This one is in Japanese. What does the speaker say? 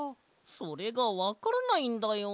それがわからないんだよ。